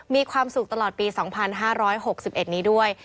มีความสุขตลอดปี๒๕๖๑นี้ด้วย